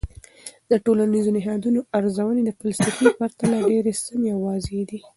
د ټولنیزو نهادونو ارزونې د فلسفې په پرتله ډیر سمی او واضح دي.